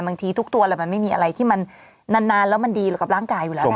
ทุกตัวแหละมันไม่มีอะไรที่มันนานแล้วมันดีกับร่างกายอยู่แล้ว